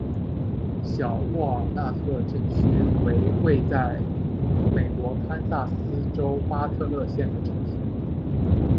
小沃尔纳特镇区为位在美国堪萨斯州巴特勒县的镇区。